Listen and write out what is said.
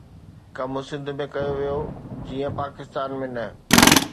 ڪم سنڌ ۾ ڪيو ويو جيئن پاڪستان ۾ نه